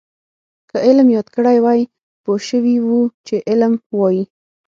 که علم یاد کړی وی پوه شوي وو چې علم وايي.